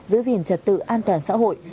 giữ gìn trật tự an toàn xã hội